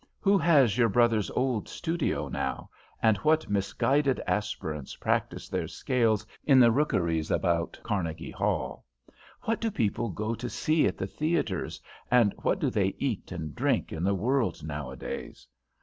Who has your brother's old studio now, and what misguided aspirants practise their scales in the rookeries about Carnegie Hall? What do people go to see at the theatres, and what do they eat and drink in the world nowadays?